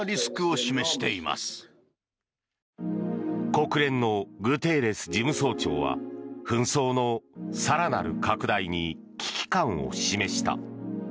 国連のグテーレス事務総長は紛争の更なる拡大に危機感を示した。